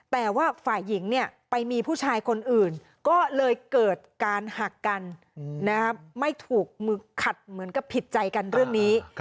แต่ว่าฝ่ายหญิงไปมีผู้ชายคนอื่นก็เลยเกิดการหักกันไม่ถูกมือขัดเหมือนกับผิดใจกันเรื่องนี้